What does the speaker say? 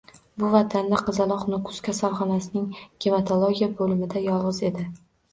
Bu vaqtda Qizaloq Nukus kasalxonasining gematologiya bo'limida yolg'iz edi